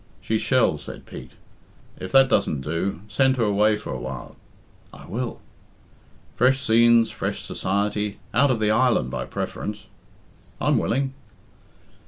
"She shall," said Pete. "If that doesn't do, send her away for awhile." "I will." "Fresh scenes, fresh society; out of the island, by preference." "I'm willing."